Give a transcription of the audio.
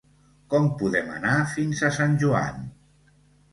Com podem anar fins a Sant Joan?